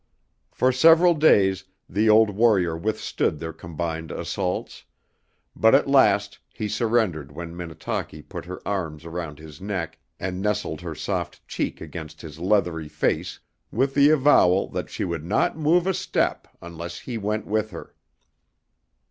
For several days the old warrior withstood their combined assaults, but at last he surrendered when Minnetaki put her arms around his neck and nestled her soft cheek against his leathery face, with the avowal that she would not move a step unless he went with her.